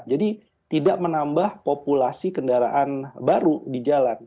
jadi tidak menambah populasi kendaraan baru di jalan